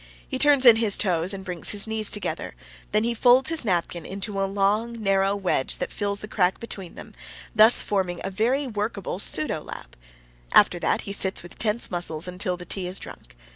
He turns in his toes and brings his knees together; then he folds his napkin into a long, narrow wedge that fills the crack between them, thus forming a very workable pseudo lap; after that he sits with tense muscles until the tea is drunk.